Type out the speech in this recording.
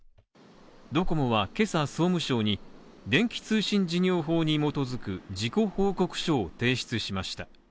ドコモは今朝、総務省に電気通信事業法に基づく事故報告書を提出しました。